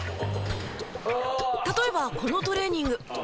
例えばこのトレーニング。